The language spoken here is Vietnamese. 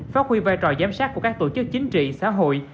phát huy vai trò giám sát của các tổ chức chính trị xã hội